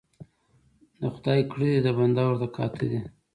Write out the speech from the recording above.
ـ د خداى کړه دي د بنده ورته کاته دي.